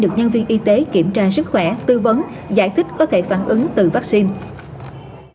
được nhân viên y tế kiểm tra sức khỏe tư vấn giải thích có thể phản ứng từ vaccine